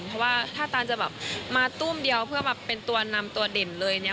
เพราะว่าถ้าตานจะแบบมาตุ้มเดียวเพื่อแบบเป็นตัวนำตัวเด่นเลยเนี่ย